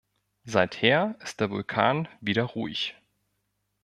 Seither ist der Vulkan wieder ruhig.